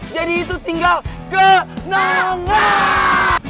jadi itu tinggal kenangan